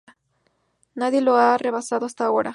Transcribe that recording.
Nadie lo ha rebasado hasta ahora.